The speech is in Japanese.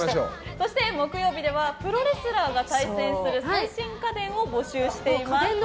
そして木曜日ではプロレスラーが対戦する最新家電を募集しています。